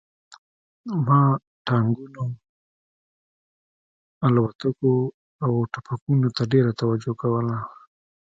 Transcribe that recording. ما ټانکونو الوتکو او ټوپکونو ته ډېره توجه کوله